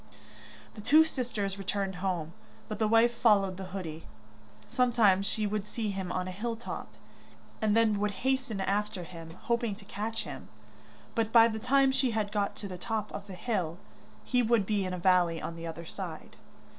The two sisters returned home, but the wife followed the hoodie. Sometimes she would see him on a hill top, and then would hasten after him, hoping to catch him. But by the time she had got to the top of the hill, he would be in the valley on the other side.